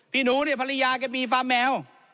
พี่หนูเนี่ยภรรยาแกมีฟาร์แมว